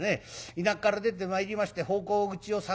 田舎から出てまいりまして奉公口を探す。